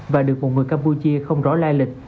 và được một người campuchia không rõ lai lịch